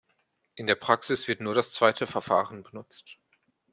In der Praxis wird nur das zweite Verfahren benutzt.